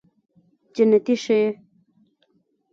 جنتي شې